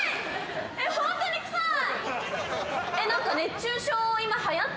ホントに臭い。